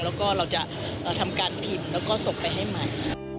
แล้วก็เราจะทำการพิมพ์แล้วก็ส่งไปให้ใหม่